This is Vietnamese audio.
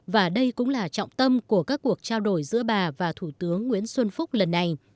và đây cũng là trọng tâm của các cuộc trao đổi giữa bà và thủ tướng nguyễn xuân phúc lần này